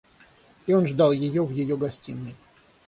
И он ждал ее в ее гостиной.